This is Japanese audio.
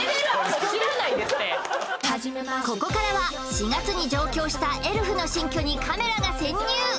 ここからは４月に上京したエルフの新居にカメラが潜入！